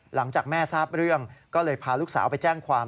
หลังจากแม่ทราบเรื่องก็เลยพาลูกสาวไปแจ้งความ